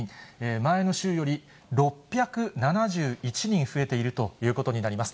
前の週より６７１人増えているということになります。